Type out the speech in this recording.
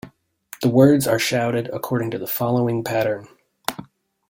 The words are shouted according to the following pattern.